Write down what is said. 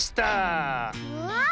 うわ！